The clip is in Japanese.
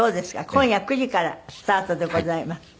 今夜９時からスタートでございます。